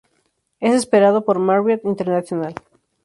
Es operado por Marriott International.